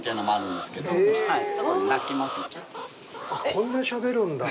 こんなしゃべるんだ。